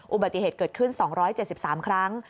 อุบัติเหตุเกิดขึ้น๒๗๓ครั้ง